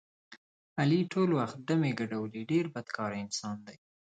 علي ټول وخت ډمې ګډولې ډېر بدکاره انسان دی.